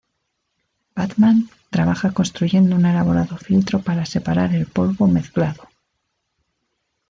Batman trabaja construyendo un elaborado filtro para separar el polvo mezclado.